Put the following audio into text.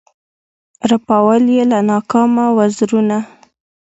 رپول یې له ناکامه وزرونه